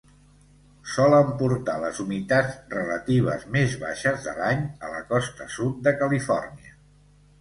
Solen portar les humitats relatives més baixes de l"any a la costa sud de Califòrnia.